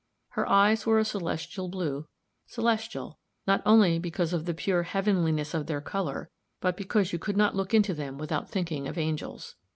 Her eyes were a celestial blue celestial, not only because of the pure heavenliness of their color, but because you could not look into them without thinking of angels.